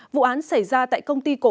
vụ án xảy ra tại công ty cổ phòng